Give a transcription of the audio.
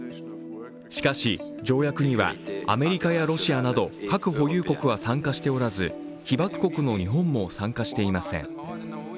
しかし、条約にはアメリカやロシアなど核保有国は参加しておらず被爆国の日本も参加していません。